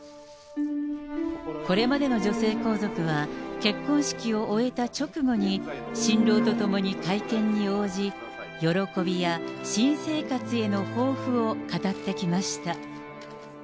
これまでの女性皇族は、結婚式を終えた直後に、新郎と共に会見に応じ、喜びや新生活への抱負を語ってきました。